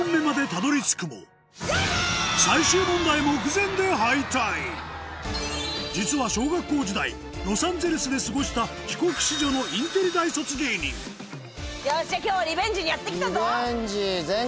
前回実は小学校時代ロサンゼルスで過ごした帰国子女のよっしゃ今日はリベンジにやって来たぞ！